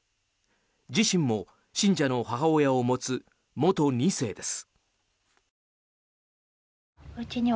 自身も信者の母親を持つ元２世です。